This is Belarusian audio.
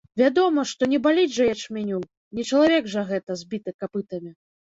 Вядома, што не баліць жа ячменю, не чалавек жа гэта, збіты капытамі.